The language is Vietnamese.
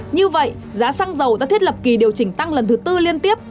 như vậy giá xăng dầu đã thiết lập kỳ điều chỉnh tăng lần thứ tư liên tiếp